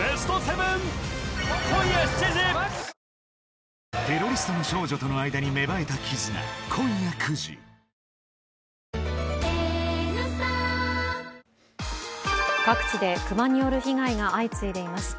メロメロ各地で熊による被害が相次いでいます。